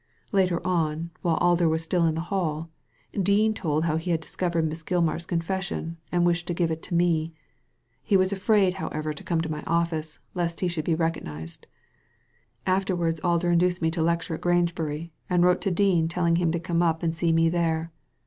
Later on, while Alder was still in the hall, Dean told how he had discovered Miss Gilmar's confession, and wished to give it to me. He was afraid, however, to come to my office lest Digitized by Google HOW THE DEED WAS DONE 263 he should be recognized. Afterwards Alder induced me to lecture at Grangebury, and wrote to Dean telling him to come up and see me there.